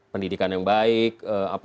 pendidikan yang baik